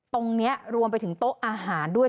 ตรงนี้รวมไปถึงโต๊ะอาหารด้วย